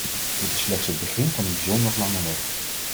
Dit is slechts het begin van een bijzonder lange weg.